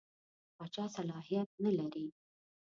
پاچا صلاحیت نه لري.